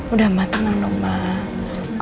udah matang dong mbak